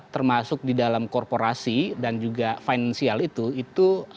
termasuk di dalam korporasi dan juga finansial itu itu